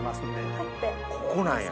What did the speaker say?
ここなんや。